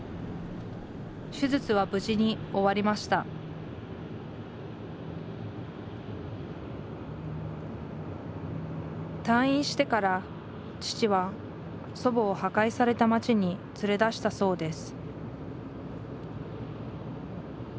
手術は無事に終わりました退院してから父は祖母を破壊された街に連れ出したそうです